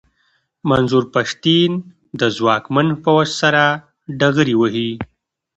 منظور پښتين د ځواکمن پوځ سره ډغرې وهي.